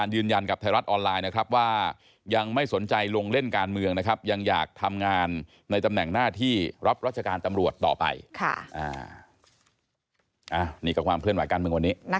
นี่กับความเคลื่อนไหวของการมึงวันนี้